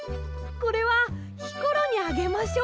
これはひころにあげましょう。